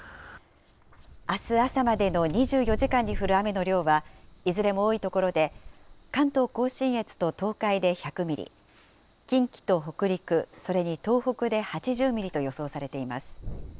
あす朝までの２４時間に降る雨の量は、いずれも多い所で、関東甲信越と東海で１００ミリ、近畿と北陸、それに東北で８０ミリと予想されています。